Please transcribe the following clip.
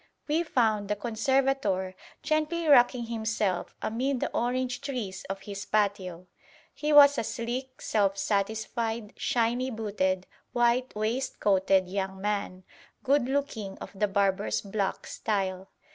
We found the Conservator gently rocking himself amid the orange trees of his patio. He was a sleek, self satisfied, shiny booted, white waistcoated young man, good looking of the barber's block style.